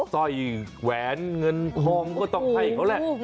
สอยแหวนเงินคุณพร้อมต้องให้เค้าแหละ